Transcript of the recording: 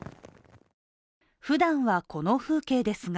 ふだんはこの風景ですが